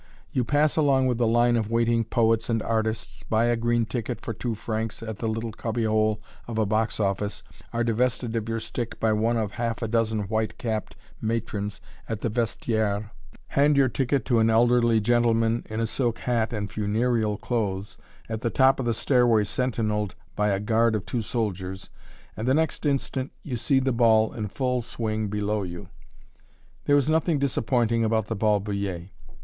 You pass along with the line of waiting poets and artists, buy a green ticket for two francs at the little cubby hole of a box office, are divested of your stick by one of half a dozen white capped matrons at the vestiaire, hand your ticket to an elderly gentleman in a silk hat and funereal clothes, at the top of the stairway sentineled by a guard of two soldiers, and the next instant you see the ball in full swing below you. [Illustration: (portrait of man)] There is nothing disappointing about the "Bal Bullier."